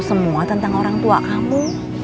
semua tentang orang tua kamu